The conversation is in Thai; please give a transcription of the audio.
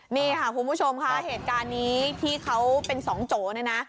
นี่ค่ะคุณผู้ชมค่ะเหตุการณ์นี้ที่เขาเป็นสองโจเนี่ยนะ